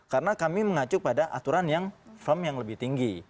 karena kami mengacu pada aturan yang firm yang lebih tinggi